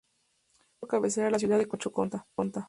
Tenía por cabecera a la ciudad de Chocontá.